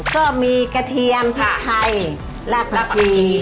ก็มีกระเทียมพริกไทยรากผักชี